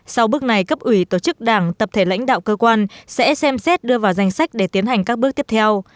sau bước này cấp ủy tổ chức đảng tập thể lãnh đạo cơ quan sẽ xem xét đưa vào danh sách để tiến hành các bước tiếp theo